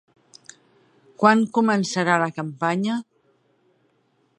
Quan començarà la campanya?